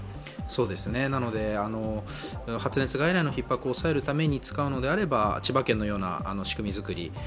そうですね、発熱外来のひっ迫を抑えるために使うのであれば千葉県のような仕組み作り